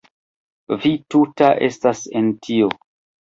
Vi tuta estas en tio!